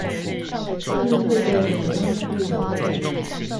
步驟的主要目的為何？